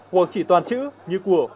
hoặc chỉ toàn chữ như của